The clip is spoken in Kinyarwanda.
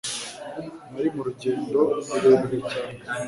Nari mu rugendo rurerure cyane